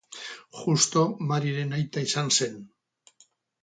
Justo Mariren aita izan zen.